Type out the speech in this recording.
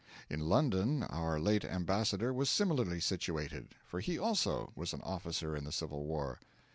In London our late ambassador was similarly situated; for he, also, was an officer in the Civil War.